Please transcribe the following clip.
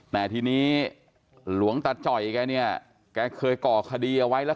แต่ทีนี้หลวงตาจ่อยแกเนี่ยแกเคยก่อคดีเอาไว้แล้ว